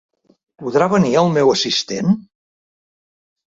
Podrà venir el meu assistent?